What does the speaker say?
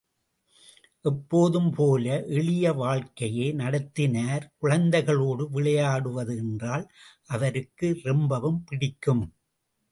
எப்போதும் போல எளிய வாழ்க்கையே நடத்தினார் குழந்தைகளோடு விளையாடுவது என்றால் அவருக்கு ரொம்பவும் பிடிக்கும்.